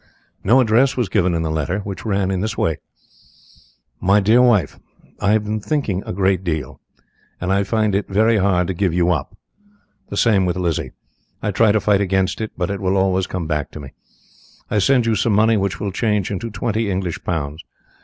No address was given in the letter, which ran in this way: MY DEAR WIFE, "I have been thinking a great deal, and I find it very hard to give you up. The same with Lizzie. I try to fight against it, but it will always come back to me. I send you some money which will change into twenty English pounds.